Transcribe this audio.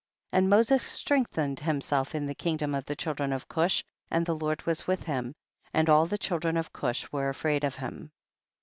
48. And Moses strengthened him self in the kingdom of the children of Cush, and the Lord was with him, and all the children of Cush were afraid of him.